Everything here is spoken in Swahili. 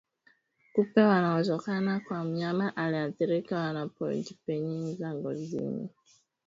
kupe wanaotoka kwa mnyama aliyeathirika wanapojipenyeza ngozini mwa mnyama asiyeathirika